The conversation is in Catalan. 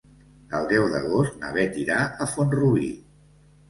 El deu d'agost na Beth irà a Font-rubí.